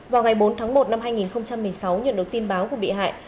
vào ngày bốn tháng một năm hai nghìn một mươi sáu nhận được tin báo của bị hại